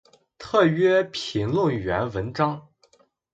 特约评论员文章